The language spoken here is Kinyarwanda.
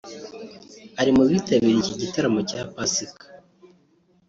ari mu bitabiriye iki gitaramo cya Pasika